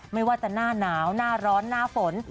ไม่ว่าจะหน้าหนาวหน้าร้อนหน้าฝน